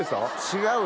違う！